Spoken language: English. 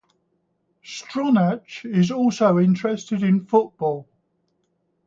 Stronach is also interested in football.